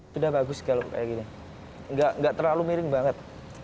sudah bagus kalau kayak gini nggak terlalu miring banget